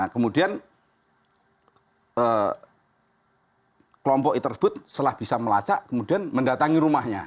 kemudian kelompok tersebut setelah bisa melacak kemudian mendatangi rumahnya